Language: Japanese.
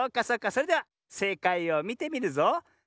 それではせいかいをみてみるぞ。